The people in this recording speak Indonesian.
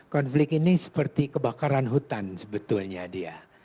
konflik ini seperti kebakaran hutan sebetulnya dia